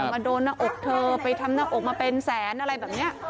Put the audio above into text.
มาโดนหน้าอกเธอไปทำหน้าอกมาเป็นแสนอะไรแบบนี้